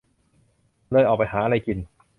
เลยออกไปหาอะไรกิน